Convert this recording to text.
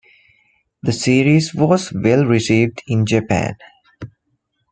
The series was well received in Japan.